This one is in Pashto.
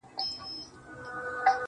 o تا ولي هر څه اور ته ورکړل د یما لوري.